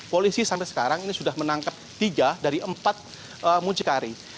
polisi sampai sekarang ini sudah menangkap tiga dari empat muncikari